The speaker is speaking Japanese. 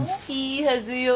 いいはずよ。